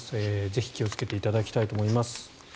ぜひ気をつけていただきたいと思います。